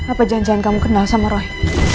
apa jangan jangan kamu kenal sama roy